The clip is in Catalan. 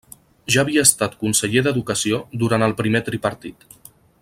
Ja havia estat conseller d'Educació durant el primer tripartit.